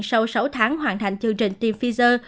sau sáu tháng hoàn thành chương trình tiêm pfizer